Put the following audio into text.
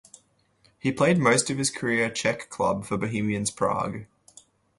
He played most of his career Czech club for Bohemians Prague.